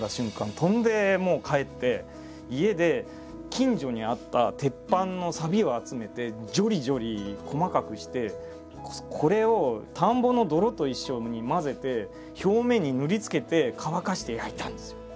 飛んで帰って家で近所にあった鉄板のさびを集めてじょりじょり細かくしてこれを田んぼの泥と一緒に混ぜて表面に塗りつけて乾かして焼いたんですよ。